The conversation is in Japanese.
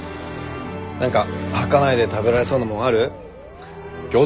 何か吐かないで食べられそうなもんある？